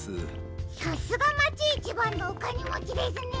さすがまちいちばんのおかねもちですね！